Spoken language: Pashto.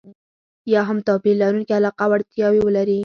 یا هم توپير لرونکې علاقه او اړتياوې ولري.